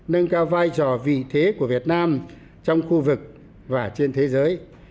nâng cao vai trò vị thế của việt nam trong khu vực và trên thế giới